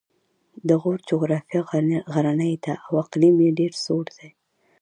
د غور جغرافیه غرنۍ ده او اقلیم یې ډېر سوړ دی